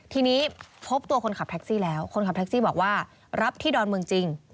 ทีนี้พบตัวคนขับแท็กซี่แล้วคนขับแท็กซี่บอกว่ารับที่ดอนเมืองจริง